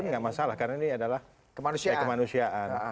nggak masalah karena ini adalah kemanusiaan